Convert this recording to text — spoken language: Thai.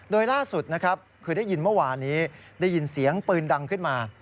โดยล่าสุดนะครับคือได้ยินเมื่อวานี้ได้ยินเสียงปืนดังขึ้นมา